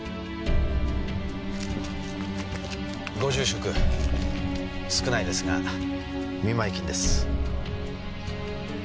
ご住職少ないですが見舞金です。